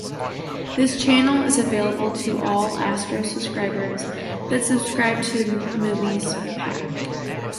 This channel is available to all Astro subscribers that subscribed to Movies Pack.